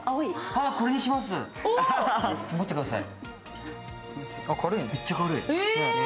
持ってください。